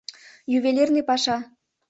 Ювелирный паша.